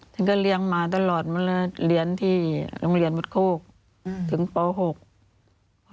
ฉันก็เลี้ยงมาตลอดมันเลยเรียนที่โรงเรียนวัดโคกถึงป๖